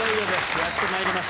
やってまいりました。